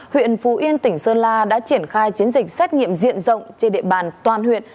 huyện phú yên tỉnh sơn la đã triển khai chiến dịch xét nghiệm diện rộng trên địa bàn toàn huyện